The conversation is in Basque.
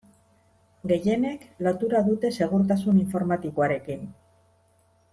Gehienek lotura dute segurtasun informatikoarekin.